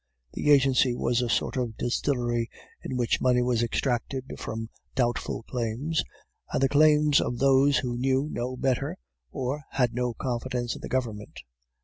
The agency was a sort of distillery, in which money was extracted from doubtful claims, and the claims of those who knew no better, or had no confidence in the government.